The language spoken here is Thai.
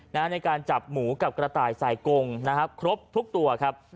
ในการจับหมูกับกระต่ายใส่กงนะครับครบทุกตัวครับ